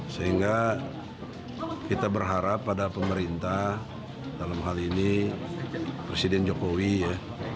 sehingga kita berharap pada pemerintah dalam hal ini presiden jokowi ya